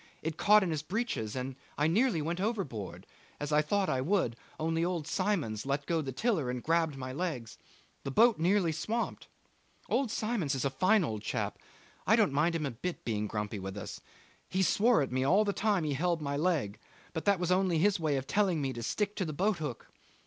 It caught in his breeches and I nearly went overboard, as I thought I would, only old Symons let go the tiller and grabbed my legs the boat nearly swamped. Old Symons is a fine old chap. I don't mind a bit him being grumpy with us. He swore at me all the time he held my leg, but that was only his way of telling me to stick to the boat hook.